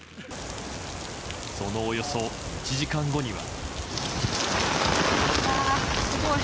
そのおよそ１時間後には。